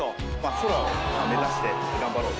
空を目指して頑張ろう。